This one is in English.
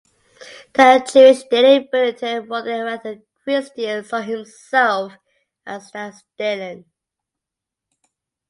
The "Jewish Daily Bulletin" wondered whether Christians saw himself as that Stalin.